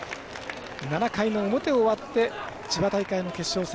７回の表終わって千葉大会の決勝戦。